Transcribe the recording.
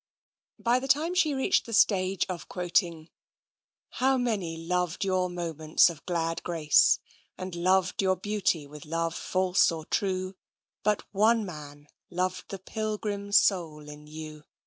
By the time she had reached the stage of quoting: (( How many loved your moments of glad grace And loved your beauty with love false or true, But one man loved the pilgrim soul in you.